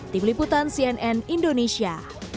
tim liputan cnn indonesia